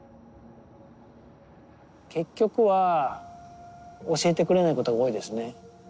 結局は教えてくれないことが多いですね。